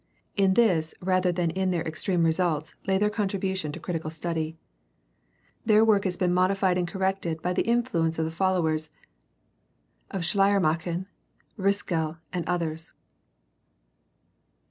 In this rather than in their extreme results lay their contribution to critical study. Their work has been modified and corrected by the influence of the followers of Schleier macher (11834), Ritschl (1822 89), and others.